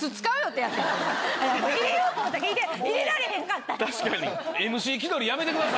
入れようと思って入れられへんかった。